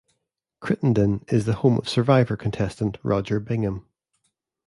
Crittenden is the home of "Survivor" contestant Rodger Bingham.